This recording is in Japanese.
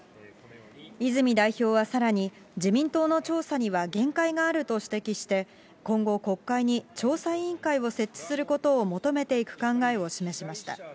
泉代表はさらに、自民党の調査には限界があると指摘して、今後、国会に調査委員会を設置することを求めていく考えを示しました。